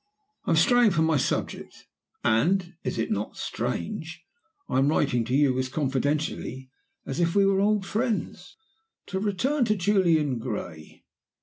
"I am straying from my subject. And is it not strange? I am writing to you as confidentially as if we were old friends. "To return to Julian Gray.